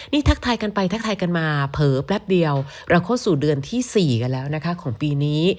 นี่ทักทายกันไปทักทายกันมาเผลอแป๊บเดียวเราเข้าสู่เดือนที่๔กันแล้วนะคะของปีนี้